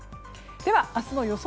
では、明日の予想